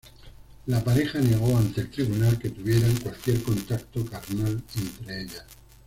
La pareja negó ante el tribunal que tuvieran cualquier contacto carnal entre ellas.